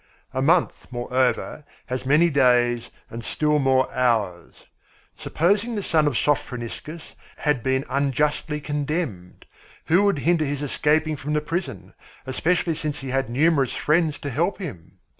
A month, moreover, has many days and still more hours. Supposing the son of Sophroniscus had been unjustly condemned, who would hinder his escaping from the prison, especially since he had numerous friends to help him?